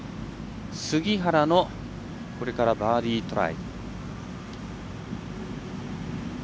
杉原のこれからバーディートライ。